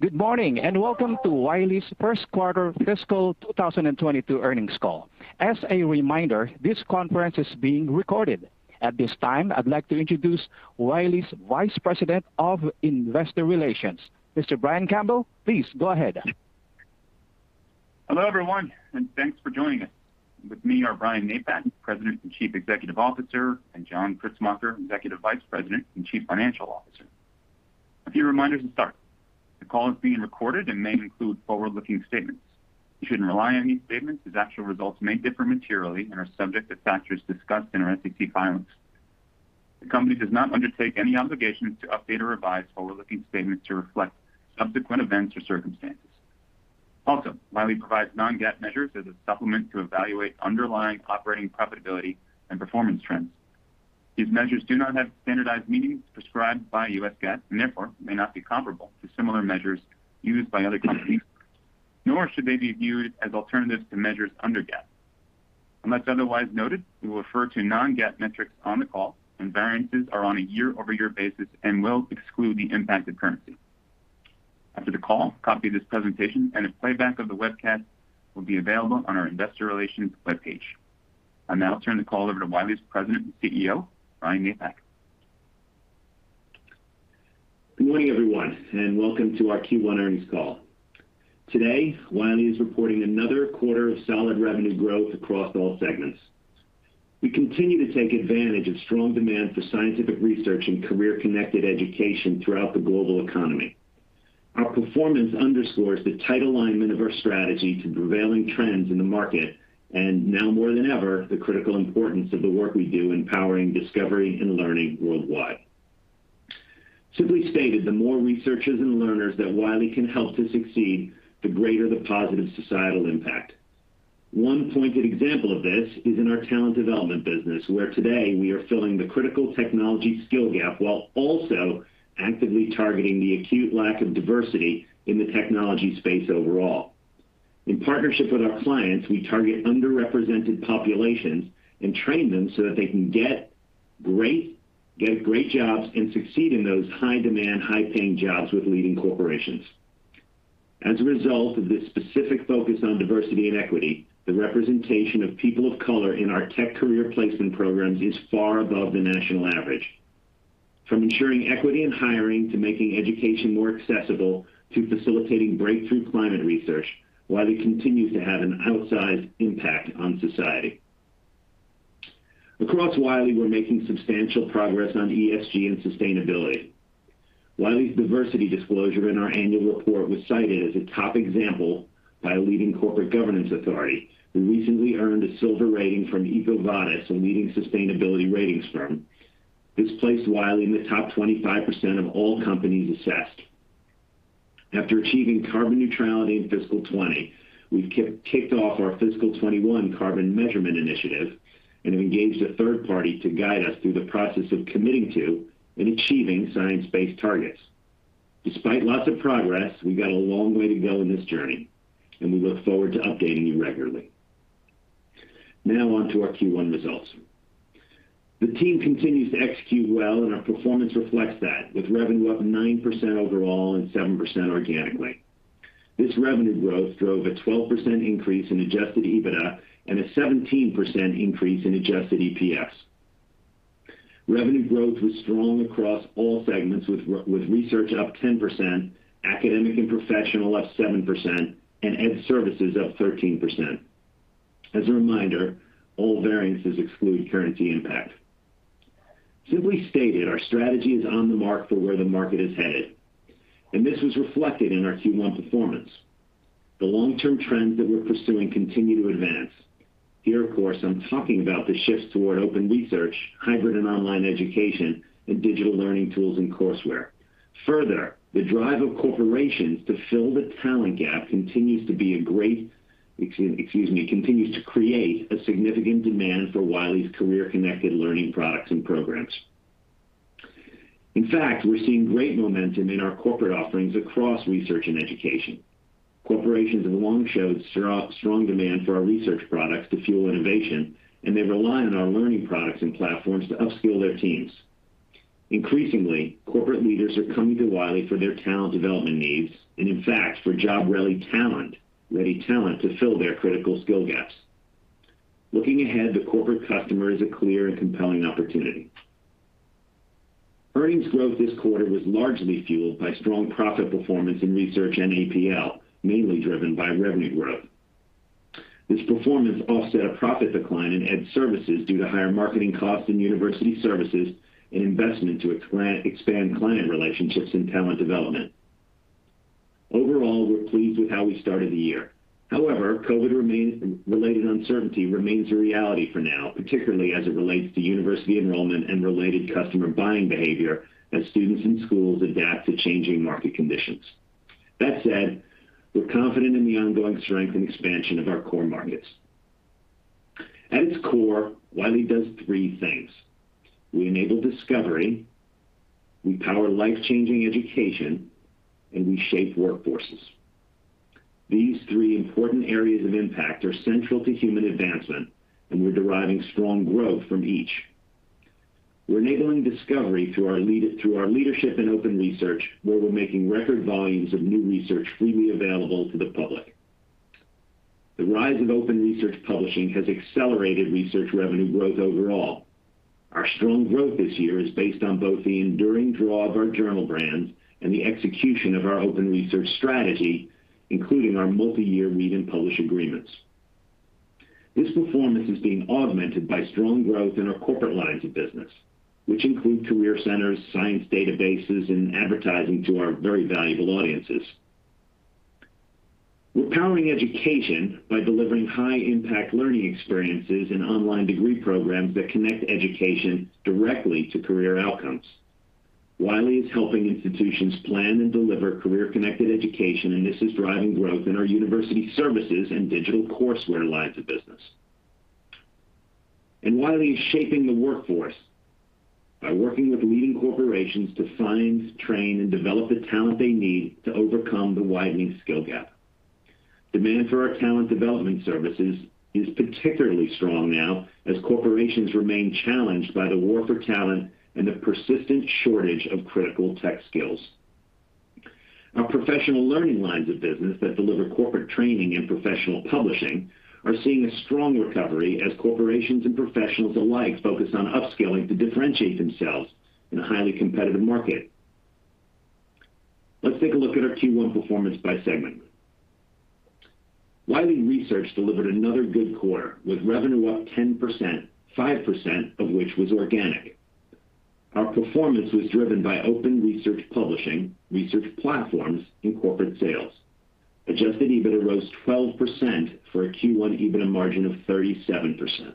Good morning, and welcome to Wiley's First Quarter Fiscal 2022 Earnings Call. As a reminder, this conference is being recorded. At this time, I'd like to introduce Wiley's Vice President of Investor Relations, Mr. Brian Campbell. Please go ahead. Hello, everyone, and thanks for joining us. With me are Brian Napack, President and Chief Executive Officer, and John Kritzmacher, Executive Vice President and Chief Financial Officer. A few reminders to start. The call is being recorded and may include forward-looking statements. You shouldn't rely on these statements, as actual results may differ materially and are subject to factors discussed in our SEC filings. The company does not undertake any obligation to update or revise forward-looking statements to reflect subsequent events or circumstances. Also, Wiley provides non-GAAP measures as a supplement to evaluate underlying operating profitability and performance trends. These measures do not have standardized meanings prescribed by U.S. GAAP and therefore may not be comparable to similar measures used by other companies, nor should they be viewed as alternatives to measures under GAAP. Unless otherwise noted, we will refer to non-GAAP metrics on the call, and variances are on a year-over-year basis and will exclude the impact of currency. After the call, a copy of this presentation and a playback of the webcast will be available on our investor relations webpage. I'll now turn the call over to Wiley's President and CEO, Brian Napack. Good morning, everyone, and welcome to our Q1 Earnings Call. Today, Wiley is reporting another quarter of solid revenue growth across all segments. We continue to take advantage of strong demand for scientific research and career-connected education throughout the global economy. Our performance underscores the tight alignment of our strategy to prevailing trends in the market and, now more than ever, the critical importance of the work we do in powering discovery and learning worldwide. Simply stated, the more researchers and learners that Wiley can help to succeed, the greater the positive societal impact. One pointed example of this is in our talent development business, where today we are filling the critical technology skill gap while also actively targeting the acute lack of diversity in the technology space overall. In partnership with our clients, we target underrepresented populations and train them so that they can get great jobs and succeed in those high-demand, high-paying jobs with leading corporations. As a result of this specific focus on diversity and equity, the representation of people of color in our tech career placement programs is far above the national average. From ensuring equity in hiring, to making education more accessible, to facilitating breakthrough climate research, Wiley continues to have an outsized impact on society. Across Wiley, we are making substantial progress on ESG and sustainability. Wiley's diversity disclosure in our annual report was cited as a top example by a leading corporate governance authority. We recently earned a silver rating from EcoVadis, a leading sustainability ratings firm. This placed Wiley in the top 25% of all companies assessed. After achieving carbon neutrality in fiscal 2020, we've kicked off our fiscal 2021 carbon measurement initiative and have engaged a third party to guide us through the process of committing to and achieving science-based targets. Despite lots of progress, we've got a long way to go in this journey, and we look forward to updating you regularly. Now on to our Q1 results. The team continues to execute well, and our performance reflects that, with revenue up 9% overall and 7% organically. This revenue growth drove a 12% increase in adjusted EBITDA and a 17% increase in adjusted EPS. Revenue growth was strong across all segments, with Research up 10%, Academic and Professional up 7%, and Ed Services up 13%. As a reminder, all variances exclude currency impact. Simply stated, our strategy is on the mark for where the market is headed, and this was reflected in our Q1 performance. The long-term trends that we're pursuing continue to advance. Here, of course, I'm talking about the shifts toward open research, hybrid and online education, and digital learning tools and courseware. Further, the drive of corporations to fill the talent gap continues to create a significant demand for Wiley's career-connected learning products and programs. In fact, we're seeing great momentum in our corporate offerings across research and education. Corporations have long showed strong demand for our research products to fuel innovation, and they rely on our learning products and platforms to upskill their teams. Increasingly, corporate leaders are coming to Wiley for their talent development needs and, in fact, for job-ready talent to fill their critical skill gaps. Looking ahead, the corporate customer is a clear and compelling opportunity. Earnings growth this quarter was largely fueled by strong profit performance in Research and APL, mainly driven by revenue growth. This performance offset a profit decline in Ed Services due to higher marketing costs in university services and investment to expand client relationships and talent development. We're pleased with how we started the year. COVID-related uncertainty remains a reality for now, particularly as it relates to university enrollment and related customer buying behavior as students and schools adapt to changing market conditions. That said, we're confident in the ongoing strength and expansion of our core markets. At its core, Wiley does three things. We enable discovery, we power life-changing education, and we shape workforces. These three important areas of impact are central to human advancement, and we're deriving strong growth from each. We're enabling discovery through our leadership in open research, where we're making record volumes of new research freely available to the public. The rise of open research publishing has accelerated research revenue growth overall. Our strong growth this year is based on both the enduring draw of our journal brands and the execution of our open research strategy, including our multi-year Read and Publish agreements. This performance is being augmented by strong growth in our corporate lines of business, which include career centers, science databases, and advertising to our very valuable audiences. We're powering education by delivering high-impact learning experiences and online degree programs that connect education directly to career outcomes. Wiley is helping institutions plan and deliver career-connected education, this is driving growth in our university services and digital courseware lines of business. Wiley is shaping the workforce by working with leading corporations to find, train, and develop the talent they need to overcome the widening skill gap. Demand for our talent development services is particularly strong now, as corporations remain challenged by the war for talent and the persistent shortage of critical tech skills. Our professional learning lines of business that deliver corporate training and professional publishing are seeing a strong recovery as corporations and professionals alike focus on upskilling to differentiate themselves in a highly competitive market. Let's take a look at our Q1 performance by segment. Wiley Research delivered another good quarter, with revenue up 10%, 5% of which was organic. Our performance was driven by open research publishing, research platforms, and corporate sales. Adjusted EBITDA rose 12% for a Q1 EBITDA margin of 37%.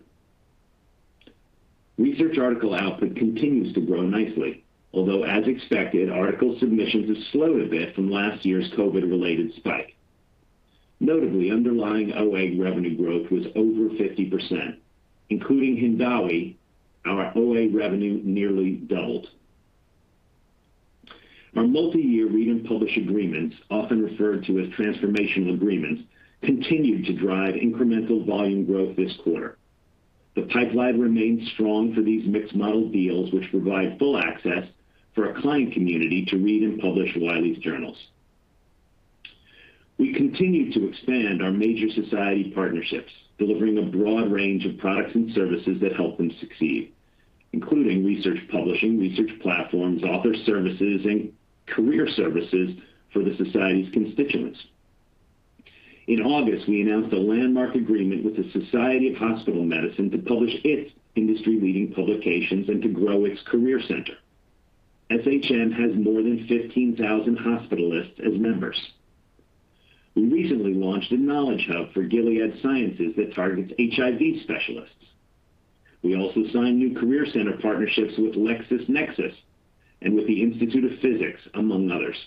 Research article output continues to grow nicely, although as expected, article submissions have slowed a bit from last year's COVID-related spike. Notably, underlying OA revenue growth was over 50%. Including Hindawi, our OA revenue nearly doubled. Our multi-year Read and Publish agreements, often referred to as transformational agreements, continued to drive incremental volume growth this quarter. The pipeline remains strong for these mixed-model deals, which provide full access for a client community to Read and Publish Wiley's journals. We continue to expand our major society partnerships, delivering a broad range of products and services that help them succeed, including research publishing, research platforms, author services, and career services for the society's constituents. In August, we announced a landmark agreement with the Society of Hospital Medicine to publish its industry-leading publications and to grow its career center. SHM has more than 15,000 hospitalists as members. We recently launched a knowledge hub for Gilead Sciences that targets HIV specialists. We also signed new career center partnerships with LexisNexis and with the Institute of Physics, among others.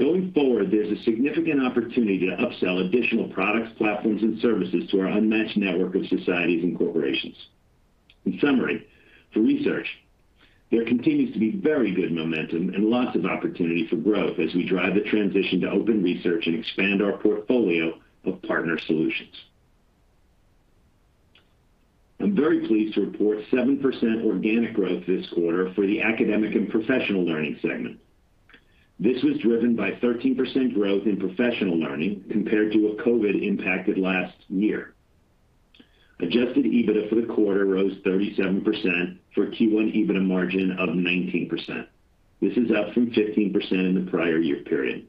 Going forward, there's a significant opportunity to upsell additional products, platforms, and services to our unmatched network of societies and corporations. In summary, for research, there continues to be very good momentum and lots of opportunity for growth as we drive the transition to open research and expand our portfolio of partner solutions. I'm very pleased to report 7% organic growth this quarter for the Academic and Professional Learning segment. This was driven by 13% growth in professional learning compared to a COVID-impacted last year. Adjusted EBITDA for the quarter rose 37% for a Q1 EBITDA margin of 19%. This is up from 15% in the prior year period.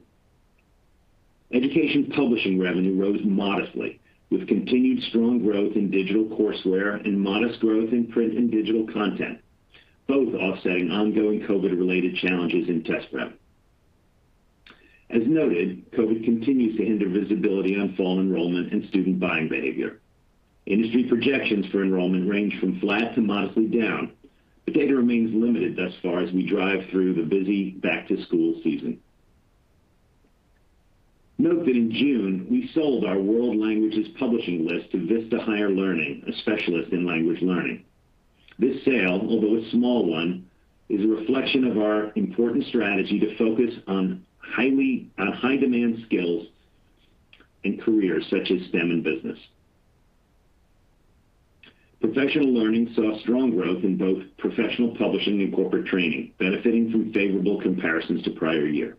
Education publishing revenue rose modestly with continued strong growth in digital courseware and modest growth in print and digital content, both offsetting ongoing COVID-related challenges in test prep. As noted, COVID continues to hinder visibility on fall enrollment and student buying behavior. Industry projections for enrollment range from flat to modestly down, data remains limited thus far as we drive through the busy back-to-school season. Note that in June, we sold our world languages publishing list to Vista Higher Learning, a specialist in language learning. This sale, although a small one, is a reflection of our important strategy to focus on high-demand skills and careers such as STEM and business. Professional learning saw strong growth in both professional publishing and corporate training, benefiting from favorable comparisons to prior year.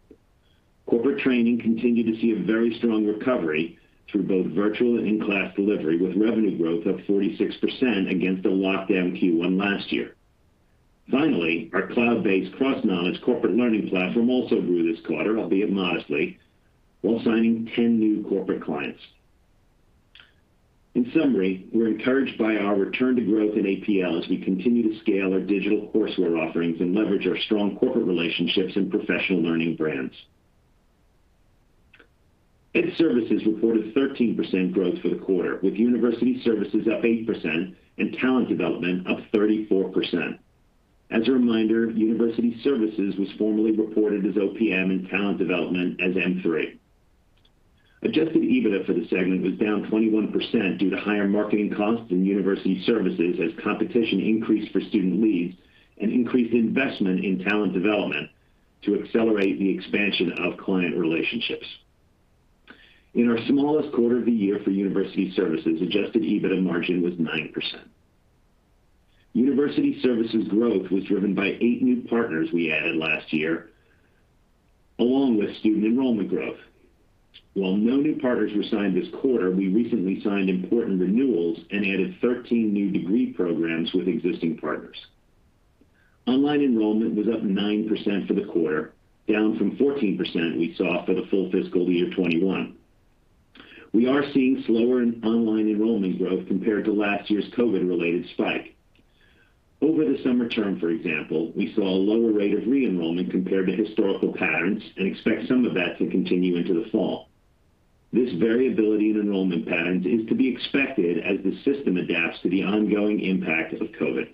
Corporate training continued to see a very strong recovery through both virtual and in-class delivery, with revenue growth up 46% against a locked-down Q1 last year. Finally, our cloud-based CrossKnowledge corporate learning platform also grew this quarter, albeit modestly, while signing 10 new corporate clients. In summary, we're encouraged by our return to growth in APL as we continue to scale our digital courseware offerings and leverage our strong corporate relationships and professional learning brands. Ed Services reported 13% growth for the quarter, with University Services up 8% and Talent Development up 34%. As a reminder, University Services was formerly reported as OPM and Talent Development as mthree. Adjusted EBITDA for the segment was down 21% due to higher marketing costs in University Services as competition increased for student leads and increased investment in talent development to accelerate the expansion of client relationships. In our smallest quarter of the year for University Services, adjusted EBITDA margin was 9%. University Services growth was driven by eight new partners we added last year, along with student enrollment growth. No new partners were signed this quarter, we recently signed important renewals and added 13 new degree programs with existing partners. Online enrollment was up 9% for the quarter, down from 14% we saw for the full fiscal year 2021. We are seeing slower online enrollment growth compared to last year's COVID-related spike. Over the summer term, for example, we saw a lower rate of re-enrollment compared to historical patterns and expect some of that to continue into the fall. This variability in enrollment patterns is to be expected as the system adapts to the ongoing impact of COVID.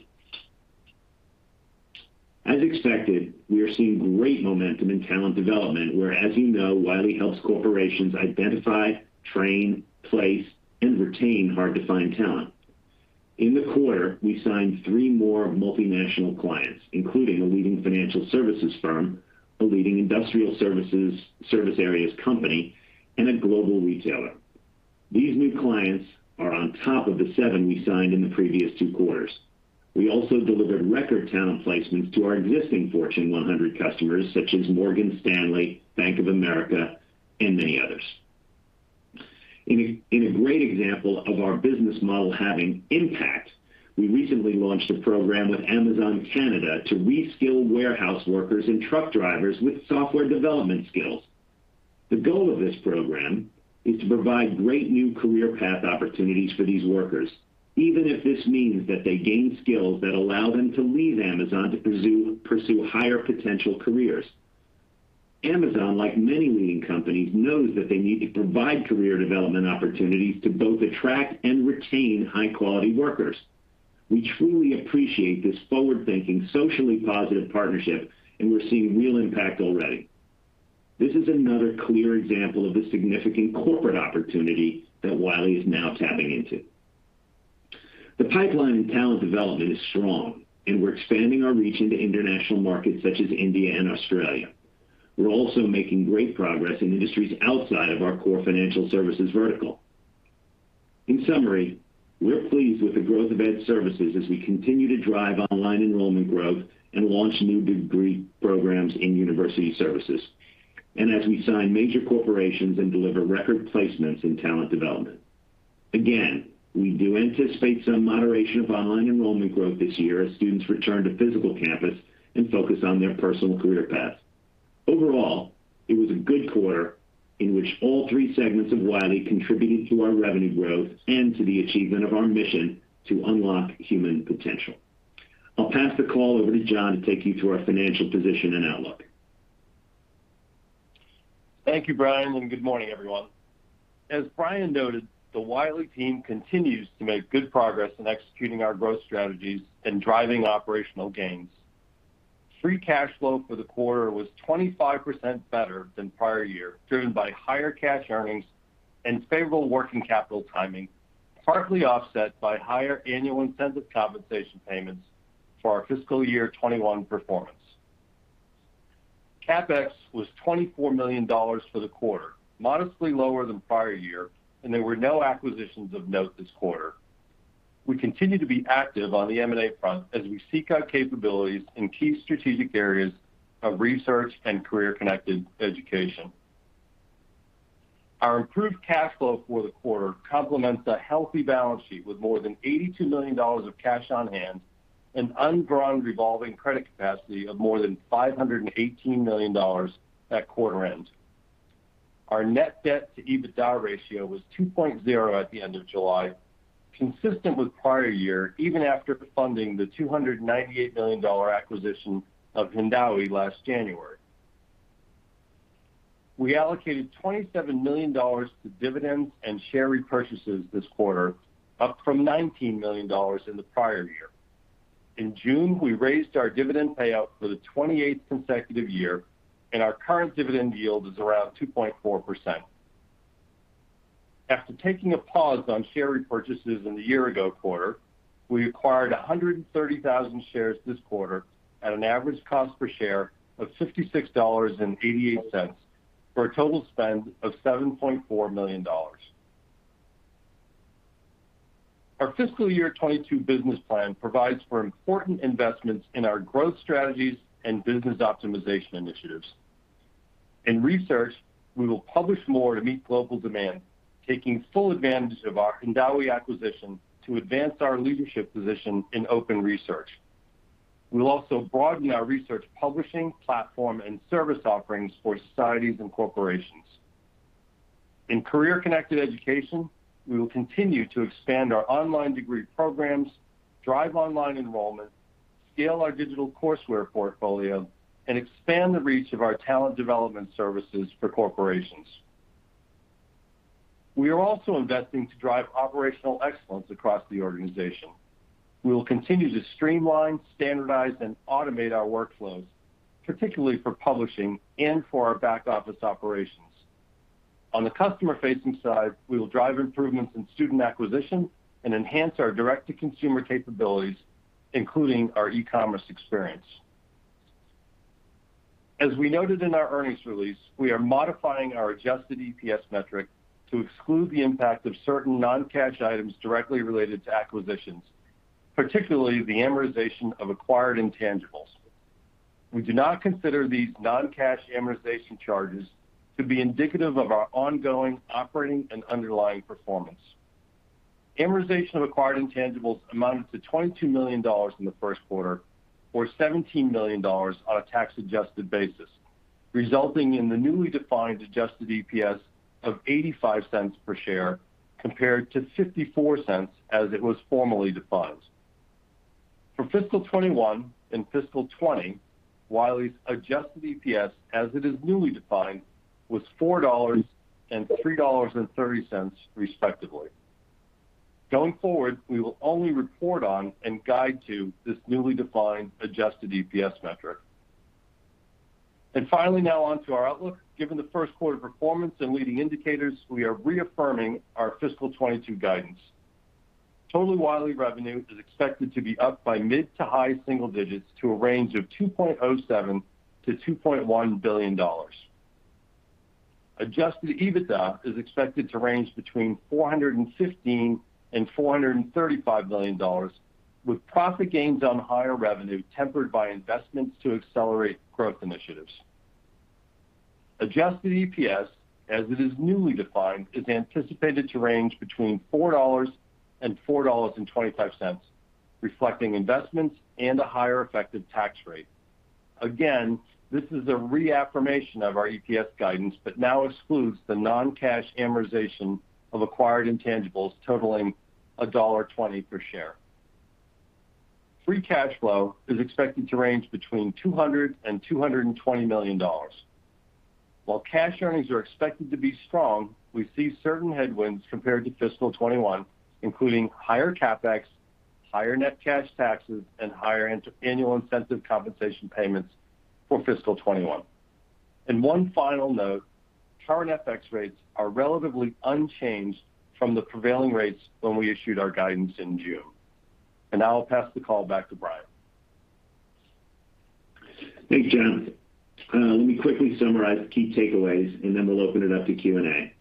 As expected, we are seeing great momentum in Talent Development, where, as you know, Wiley helps corporations identify, train, place, and retain hard-to-find talent. In the quarter, we signed three more multinational clients, including a leading financial services firm, a leading industrial service areas company, and a global retailer. These new clients are on top of the seven we signed in the previous two quarters. We also delivered record talent placements to our existing Fortune 100 customers, such as Morgan Stanley, Bank of America, and many others. In a great example of our business model having impact, we recently launched a program with Amazon Canada to reskill warehouse workers and truck drivers with software development skills. The goal of this program is to provide great new career path opportunities for these workers, even if this means that they gain skills that allow them to leave Amazon to pursue higher potential careers. Amazon, like many leading companies, knows that they need to provide career development opportunities to both attract and retain high-quality workers. We truly appreciate this forward-thinking, socially positive partnership, and we're seeing real impact already. This is another clear example of the significant corporate opportunity that Wiley is now tapping into. The pipeline in Talent Development is strong, and we're expanding our reach into international markets such as India and Australia. We're also making great progress in industries outside of our core financial services vertical. In summary, we're pleased with the growth of Ed Services as we continue to drive online enrollment growth and launch new degree programs in University Services, and as we sign major corporations and deliver record placements in Talent Development. We do anticipate some moderation of online enrollment growth this year as students return to physical campus and focus on their personal career paths. Overall, it was a good quarter in which all three segments of Wiley contributed to our revenue growth and to the achievement of our mission to unlock human potential. I'll pass the call over to John to take you through our financial position and outlook. Thank you, Brian, and good morning, everyone. As Brian noted, the Wiley team continues to make good progress in executing our growth strategies and driving operational gains. Free cash flow for the quarter was 25% better than prior year, driven by higher cash earnings and favorable working capital timing, partly offset by higher annual incentive compensation payments for our fiscal year 2021 performance. CapEx was $24 million for the quarter, modestly lower than prior year, and there were no acquisitions of note this quarter. We continue to be active on the M&A front as we seek out capabilities in key strategic areas of research and career-connected education. Our improved cash flow for the quarter complements a healthy balance sheet with more than $82 million of cash on hand and undrawn revolving credit capacity of more than $518 million at quarter end. Our net debt to EBITDA ratio was 2.0 at the end of July, consistent with prior year, even after funding the $298 million acquisition of Hindawi last January. We allocated $27 million to dividends and share repurchases this quarter, up from $19 million in the prior year. In June, we raised our dividend payout for the 28th consecutive year, and our current dividend yield is around 2.4%. After taking a pause on share repurchases in the year-ago quarter, we acquired 130,000 shares this quarter at an average cost per share of $56.88 for a total spend of $7.4 million. Our fiscal year 2022 business plan provides for important investments in our growth strategies and business optimization initiatives. In research, we will publish more to meet global demand, taking full advantage of our Hindawi acquisition to advance our leadership position in open research. We'll also broaden our research publishing platform and service offerings for societies and corporations. In career-connected education, we will continue to expand our online degree programs, drive online enrollment, scale our digital courseware portfolio, and expand the reach of our talent development services for corporations. We are also investing to drive operational excellence across the organization. We will continue to streamline, standardize, and automate our workflows, particularly for publishing and for our back-office operations. On the customer-facing side, we will drive improvements in student acquisition and enhance our direct-to-consumer capabilities, including our e-commerce experience. As we noted in our earnings release, we are modifying our adjusted EPS metric to exclude the impact of certain non-cash items directly related to acquisitions, particularly the amortization of acquired intangibles. We do not consider these non-cash amortization charges to be indicative of our ongoing operating and underlying performance. Amortization of acquired intangibles amounted to $22 million in the first quarter, or $17 million on a tax-adjusted basis, resulting in the newly defined adjusted EPS of $0.85 per share, compared to $0.54 as it was formerly defined. For fiscal 2021 and fiscal 2020, Wiley's adjusted EPS, as it is newly defined, was $4 and $3.30 respectively. Going forward, we will only report on and guide to this newly defined adjusted EPS metric. Finally, now on to our outlook. Given the first quarter performance and leading indicators, we are reaffirming our fiscal 2022 guidance. Total Wiley revenue is expected to be up by mid to high single digits to a range of $2.07 billion-$2.1 billion. Adjusted EBITDA is expected to range between $415 million-$435 million, with profit gains on higher revenue tempered by investments to accelerate growth initiatives. Adjusted EPS, as it is newly defined, is anticipated to range between $4 and $4.25, reflecting investments and a higher effective tax rate. This is a reaffirmation of our EPS guidance, but now excludes the non-cash amortization of acquired intangibles totaling $1.20 per share. Free cash flow is expected to range between $200 million and $220 million. While cash earnings are expected to be strong, we see certain headwinds compared to fiscal 2021, including higher CapEx, higher net cash taxes, and higher annual incentive compensation payments for fiscal 2021. One final note, current FX rates are relatively unchanged from the prevailing rates when we issued our guidance in June. Now I'll pass the call back to Brian. Thanks, John. Let me quickly summarize the key takeaways, and then we'll open it up to Q&A.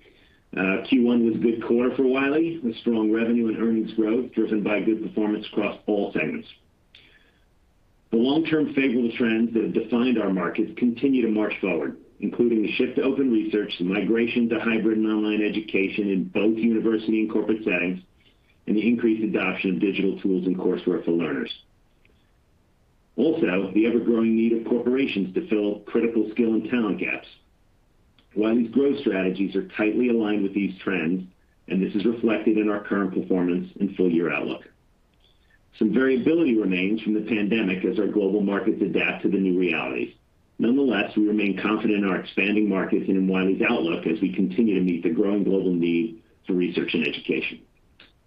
Q1 was a good quarter for Wiley, with strong revenue and earnings growth driven by good performance across all segments. The long-term favorable trends that have defined our markets continue to march forward, including the shift to open research, the migration to hybrid and online education in both university and corporate settings, and the increased adoption of digital tools and coursework for learners. Also, the ever-growing need of corporations to fill critical skill and talent gaps. Wiley's growth strategies are tightly aligned with these trends, and this is reflected in our current performance and full-year outlook. Some variability remains from the pandemic as our global markets adapt to the new realities. Nonetheless, we remain confident in our expanding markets and in Wiley's outlook as we continue to meet the growing global need for research and education.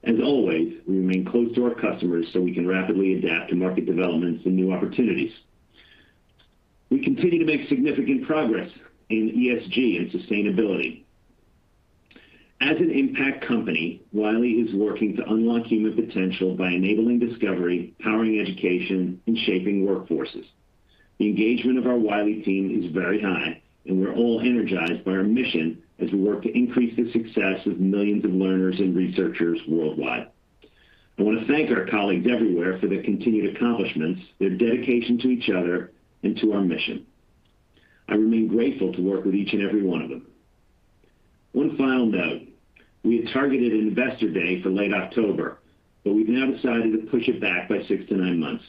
As always, we remain close to our customers so we can rapidly adapt to market developments and new opportunities. We continue to make significant progress in ESG and sustainability. As an impact company, Wiley is working to unlock human potential by enabling discovery, powering education, and shaping workforces. The engagement of our Wiley team is very high, and we're all energized by our mission as we work to increase the success of millions of learners and researchers worldwide. I want to thank our colleagues everywhere for their continued accomplishments, their dedication to each other, and to our mission. I remain grateful to work with each and every one of them. One final note: We had targeted Investor Day for late October, we've now decided to push it back by six-nine months.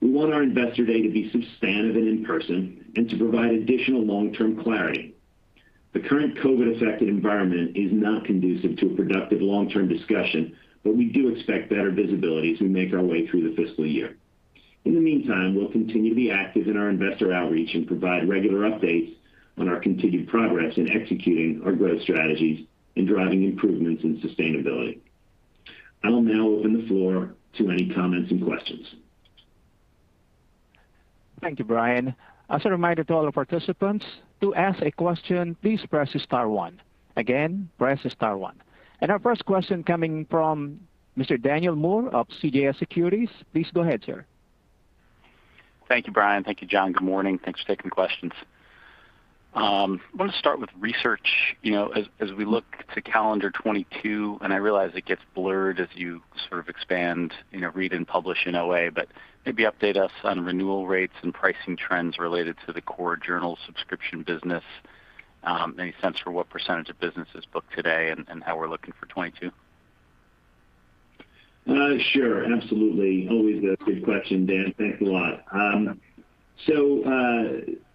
We want our Investor Day to be substantive and in person, and to provide additional long-term clarity. The current COVID-affected environment is not conducive to a productive long-term discussion, we do expect better visibility as we make our way through the fiscal year. In the meantime, we'll continue to be active in our investor outreach and provide regular updates on our continued progress in executing our growth strategies and driving improvements in sustainability. I will now open the floor to any comments and questions. Thank you, Brian. As a reminder to all our participants, to ask a question, please press star one. Again, press star one. Our first question coming from Mr. Daniel Moore of CJS Securities. Please go ahead, Sir. Thank you, Brian. Thank you, John. Good morning. Thanks for taking questions. I want to start with research. As we look to calendar 2022, and I realize it gets blurred as you sort of expand, Read and Publish in OA, but maybe update us on renewal rates and pricing trends related to the core journal subscription business. Any sense for what percentage of business is booked today and how we're looking for 2022? Sure. Absolutely. Always a good question, Dan. Thanks a lot.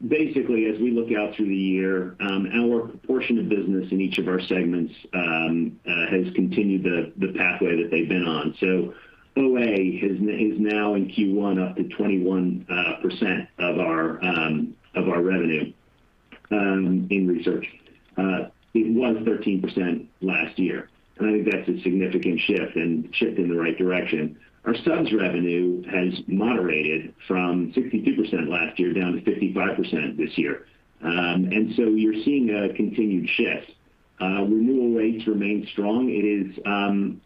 Basically, as we look out through the year, our proportion of business in each of our segments has continued the pathway that they've been on. OA is now in Q1 up to 21% of our revenue in research. It was 13% last year. I think that's a significant shift in the right direction. Our subs revenue has moderated from 62% last year down to 55% this year. You're seeing a continued shift. Renewal rates remain strong. It is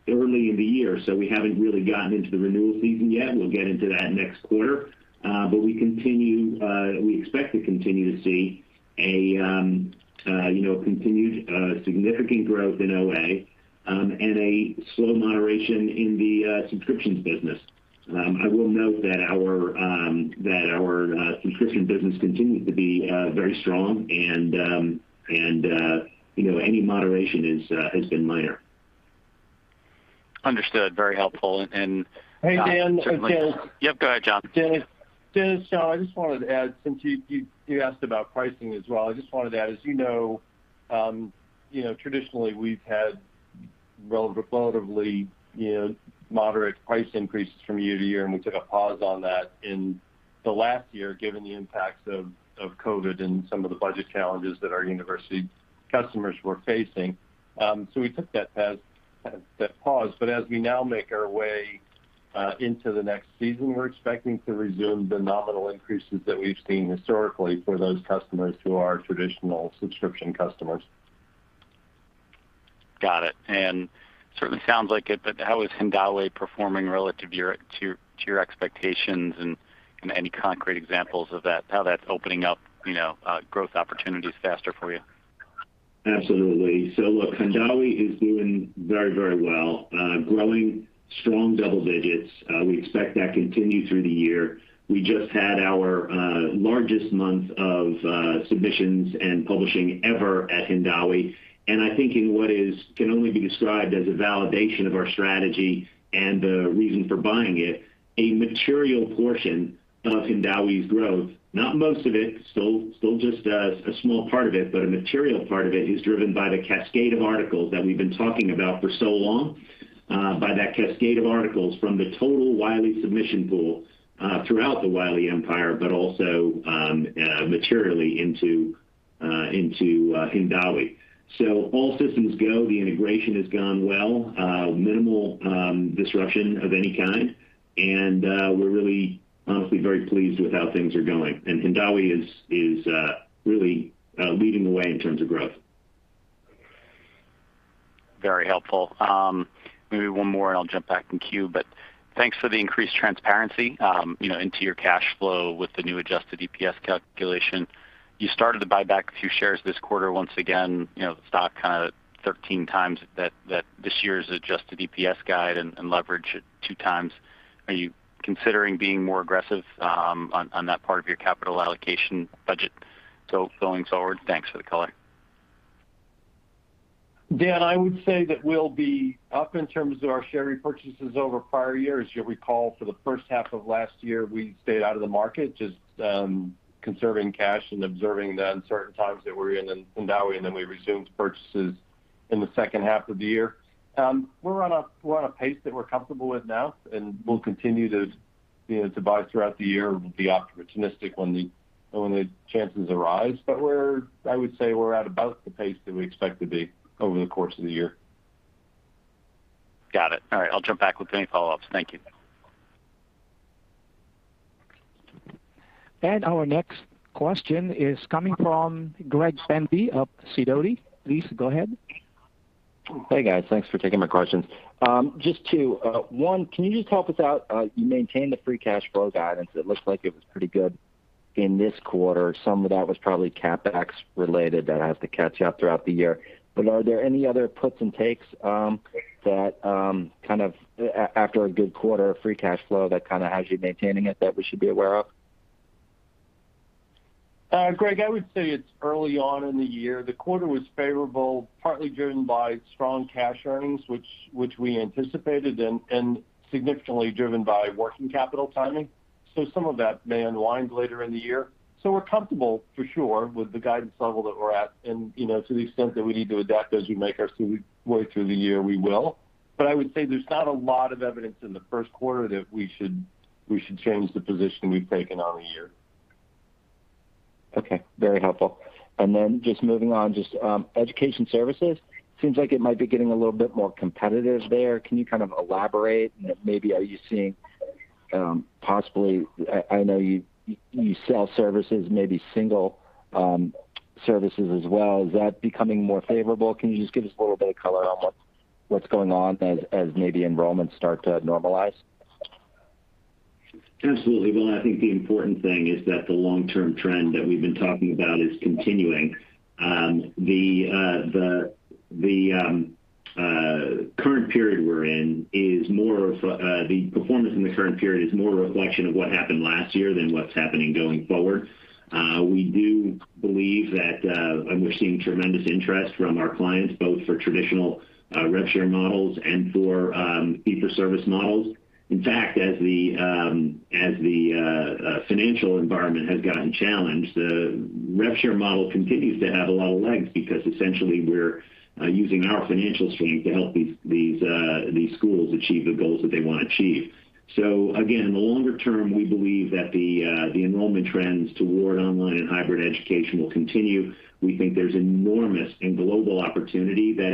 early in the year, we haven't really gotten into the renewal season yet. We'll get into that next quarter. We expect to continue to see a continued significant growth in OA and a slow moderation in the subscriptions business. I will note that our subscription business continues to be very strong and any moderation has been minor. Understood. Very helpful. Hey, Dan, it's John. Yep. Go ahead, John. Dan, I just wanted to add, since you asked about pricing as well, I just wanted to add, as you know, traditionally we've had relatively moderate price increases from year-to-year, and we took a pause on that in the last year, given the impacts of COVID and some of the budget challenges that our university customers were facing. We took that pause. As we now make our way into the next season, we're expecting to resume the nominal increases that we've seen historically for those customers who are traditional subscription customers. Got it. Certainly sounds like it, but how is Hindawi performing relative to your expectations, and any concrete examples of how that's opening up growth opportunities faster for you? Absolutely. Look, Hindawi is doing very well. Growing strong double digits. We expect that to continue through the year. We just had our largest month of submissions and publishing ever at Hindawi. I think in what can only be described as a validation of our strategy and the reason for buying it, a material portion of Hindawi's growth, not most of it, still just a small part of it, but a material part of it is driven by the cascade of articles that we've been talking about for so long, by that cascade of articles from the total Wiley submission pool, throughout the Wiley empire, but also materially into Hindawi. All systems go, the integration has gone well, minimal disruption of any kind. We're really honestly very pleased with how things are going. Hindawi is really leading the way in terms of growth. Very helpful. One more and I'll jump back in queue, thanks for the increased transparency into your cash flow with the new adjusted EPS calculation. You started to buy back a few shares this quarter, once again, the stock kind of 13x that this year's adjusted EPS guide and leverage at 2x. Are you considering being more aggressive on that part of your capital allocation budget going forward? Thanks for the color. Dan, I would say that we'll be up in terms of our share repurchases over prior years. You'll recall for the first half of last year, we stayed out of the market, just conserving cash and observing the uncertain times that we were in Hindawi, and then we resumed purchases in the second half of the year. We're on a pace that we're comfortable with now, and we'll continue to buy throughout the year. We'll be opportunistic when the chances arise. I would say we're at about the pace that we expect to be over the course of the year. Got it. All right. I'll jump back with any follow-ups. Thank you. Our next question is coming from Greg Sand of Sidoti. Please go ahead. Hey, guys. Thanks for taking my questions. Just two. One, can you just help us out? You maintained the free cash flow guidance. It looks like it was pretty good in this quarter. Some of that was probably CapEx related that has to catch up throughout the year. Are there any other puts and takes, after a good quarter of free cash flow, that kind of has you maintaining it, that we should be aware of? Greg, I would say it's early on in the year. The quarter was favorable, partly driven by strong cash earnings, which we anticipated, and significantly driven by working capital timing. Some of that may unwind later in the year. We're comfortable, for sure, with the guidance level that we're at, and to the extent that we need to adapt as we make our way through the year, we will. I would say there's not a lot of evidence in the first quarter that we should change the position we've taken on the year. Okay. Very helpful. Then just moving on, just Education Services, seems like it might be getting a little bit more competitive there. Can you kind of elaborate and maybe are you seeing, possibly, I know you sell services, maybe single services as well. Is that becoming more favorable? Can you just give us a little bit of color on what's going on as maybe enrollments start to normalize? Absolutely. I think the important thing is that the long-term trend that we've been talking about is continuing. The performance in the current period is more a reflection of what happened last year than what's happening going forward. We do believe that, and we're seeing tremendous interest from our clients, both for traditional rev share models and for fee-for-service models. In fact, as the financial environment has gotten challenged, the rev share model continues to have a lot of legs because essentially we're using our financial strength to help these schools achieve the goals that they want to achieve. Again, in the longer term, we believe that the enrollment trends toward online and hybrid education will continue. We think there's enormous and global opportunity that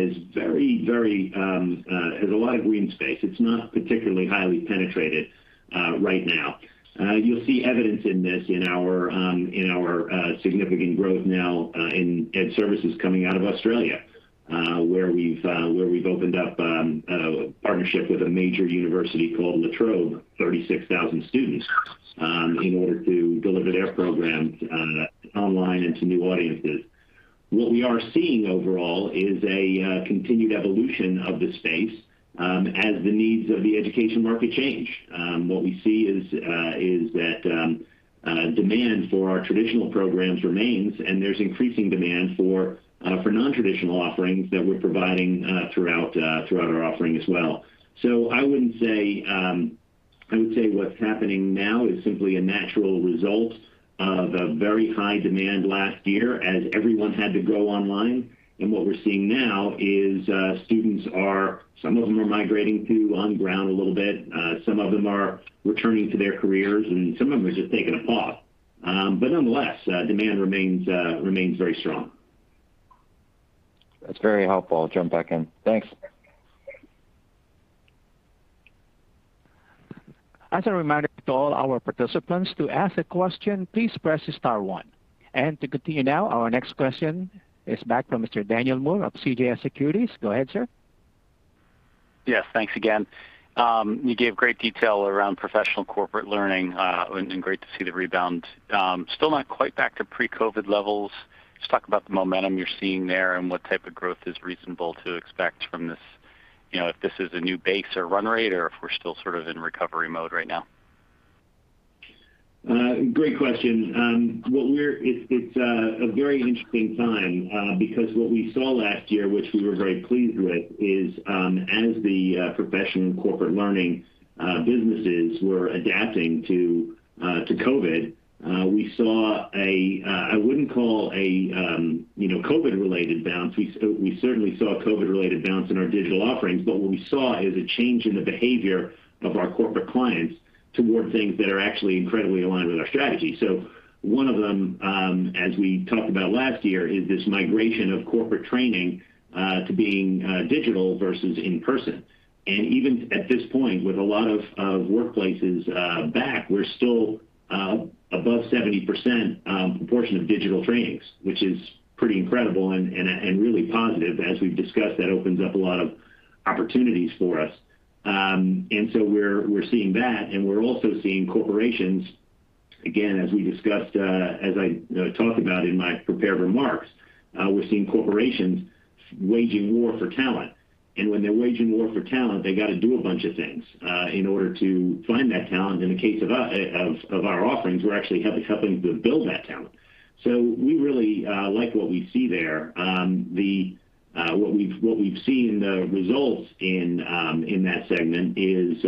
has a lot of green space. It's not particularly highly penetrated right now. You'll see evidence in this in our significant growth now in Ed Services coming out of Australia, where we've opened up a partnership with a major university called La Trobe, 36,000 students, in order to deliver their programs online and to new audiences. What we are seeing overall is a continued evolution of the space as the needs of the education market change. What we see is that demand for our traditional programs remains, and there's increasing demand for non-traditional offerings that we're providing throughout our offering as well. I would say what's happening now is simply a natural result of a very high demand last year as everyone had to go online. What we're seeing now is students are, some of them are migrating to on ground a little bit, some of them are returning to their careers, and some of them are just taking a pause. Nonetheless, demand remains very strong. That's very helpful, gentleman. Thanks. As a reminder to all our participants, to ask a question, please press star one. To continue now, our next question is back from Mr. Daniel Moore of CJS Securities. Go ahead, Sir. Yes, thanks again. You gave great detail around professional corporate learning, and great to see the rebound. Still not quite back to pre-COVID levels. Just talk about the momentum you're seeing there and what type of growth is reasonable to expect from this, if this is a new base or run rate, or if we're still sort of in recovery mode right now? Great question. It's a very interesting time, because what we saw last year, which we were very pleased with, is as the professional and corporate learning businesses were adapting to COVID, we saw a, I wouldn't call a COVID-related bounce. We certainly saw a COVID-related bounce in our digital offerings. What we saw is a change in the behavior of our corporate clients toward things that are actually incredibly aligned with our strategy. One of them, as we talked about last year, is this migration of corporate training to being digital versus in-person. Even at this point, with a lot of workplaces back, we're still above 70% proportion of digital trainings, which is pretty incredible and really positive. As we've discussed, that opens up a lot of opportunities for us. We're seeing that, and we're also seeing corporations, again, as I talked about in my prepared remarks, we're seeing corporations waging war for talent. When they're waging war for talent, they got to do a bunch of things in order to find that talent. In the case of our offerings, we're actually helping to build that talent. We really like what we see there. What we've seen the results in that segment is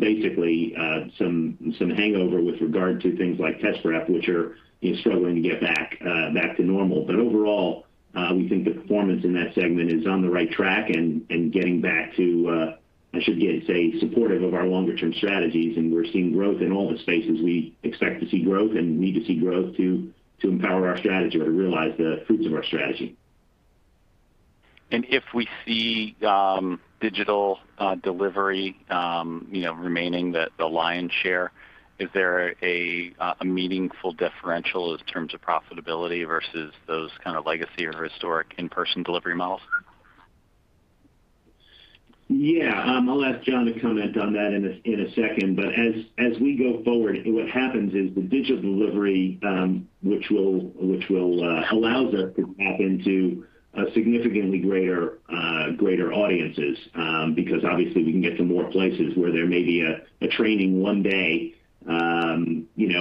basically some hangover with regard to things like Test Prep, which are struggling to get back to normal. Overall, we think the performance in that segment is on the right track and getting back to, I should say, supportive of our longer-term strategies. We're seeing growth in all the spaces we expect to see growth and need to see growth to empower our strategy or to realize the fruits of our strategy. If we see digital delivery remaining the lion's share, is there a meaningful differential in terms of profitability versus those kind of legacy or historic in-person delivery models? Yeah. I'll ask John to comment on that in a second. As we go forward, what happens is the digital delivery, which allows us to tap into significantly greater audiences. Because obviously we can get to more places where there may be a training one day,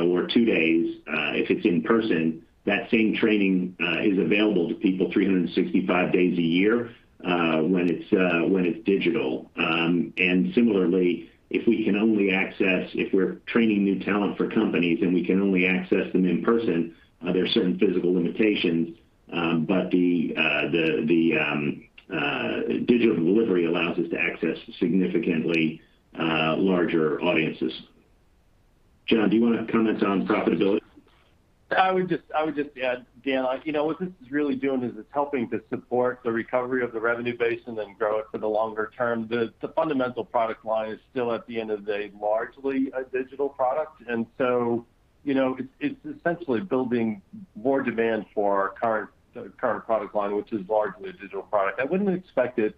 or two days, if it's in person. That same training is available to people 365 days a year when it's digital. Similarly, if we're training new talent for companies and we can only access them in person, there are certain physical limitations. The digital delivery allows us to access significantly larger audiences. John, do you want to comment on profitability? I would just add, Dan, what this is really doing is it's helping to support the recovery of the revenue base and then grow it for the longer term. The fundamental product line is still at the end of the day, largely a digital product. It's essentially building more demand for our current product line, which is largely a digital product. I wouldn't expect it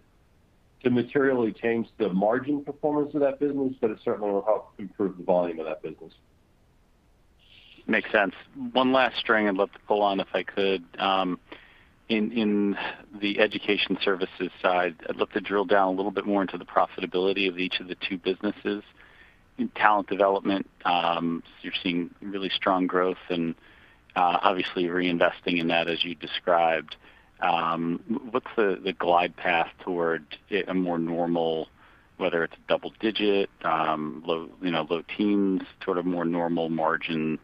to materially change the margin performance of that business, but it certainly will help improve the volume of that business. Makes sense. One last string I'd love to pull on, if I could. In the Education Services side, I'd love to drill down a little bit more into the profitability of each of the two businesses. In talent development, you're seeing really strong growth and obviously reinvesting in that as you described. What's the glide path toward a more normal, whether it's double digit, low teens, sort of more normal margin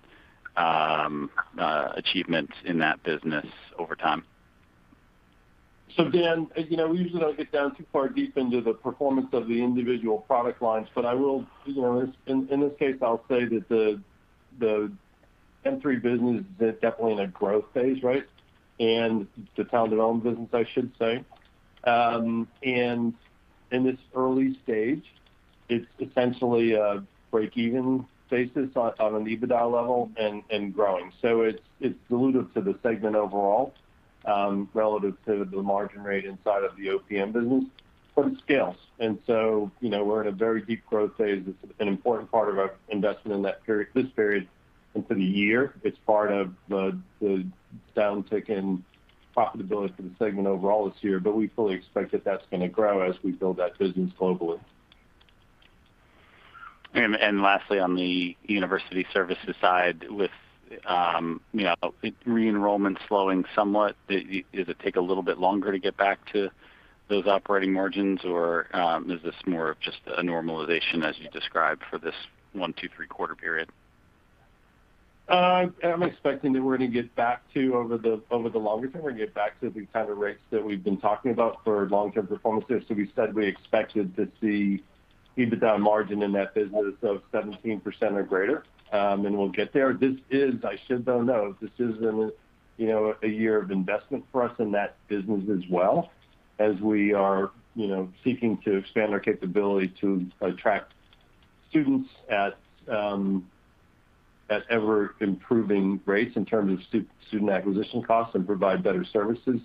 achievement in that business over time? Dan, we usually don't get down too far deep into the performance of the individual product lines, but in this case, I'll say that the M3 business is definitely in a growth phase, right? The talent development business, I should say. In this early stage, it's essentially a breakeven basis on an EBITDA level and growing. It's dilutive to the segment overall, relative to the margin rate inside of the OPM business, it scales. We're in a very deep growth phase. It's an important part of our investment in this period into the year. It's part of the downtick in profitability for the segment overall this year. We fully expect that that's going to grow as we build that business globally. Lastly, on the university services side with re-enrollment slowing somewhat, does it take a little bit longer to get back to those operating margins, or is this more of just a normalization as you described for this one, two, three-quarter period? I'm expecting that we're going to get back to, over the longer term, we're going to get back to the kind of rates that we've been talking about for long-term performance there. We said we expected to see EBITDA margin in that business of 17% or greater, and we'll get there. I should note, this is a year of investment for us in that business as well, as we are seeking to expand our capability to attract students at ever-improving rates in terms of student acquisition costs and provide better services.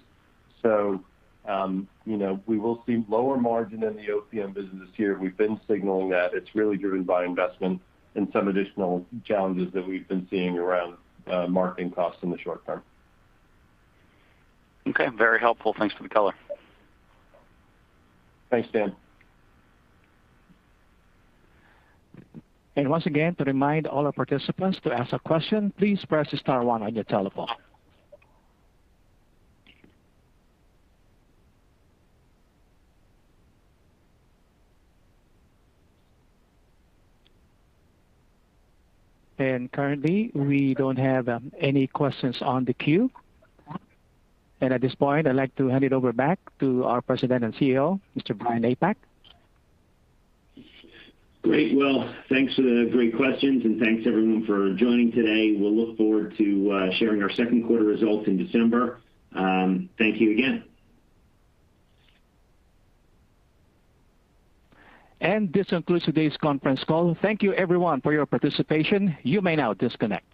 We will see lower margin in the OPM business this year. We've been signaling that. It's really driven by investment and some additional challenges that we've been seeing around marketing costs in the short term. Okay. Very helpful. Thanks for the color. Thanks, Dan. Once again, to remind all our participants, to ask a question, please press star one on your telephone. Currently, we don't have any questions on the queue. At this point, I'd like to hand it over back to our President and CEO, Mr. Brian Napack. Great. Well, thanks for the great questions, and thanks everyone for joining today. We'll look forward to sharing our second quarter results in December. Thank you again. This concludes today's conference call. Thank you everyone for your participation. You may now disconnect.